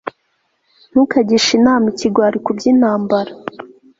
ntukagishe inama ikigwari ku by'intambara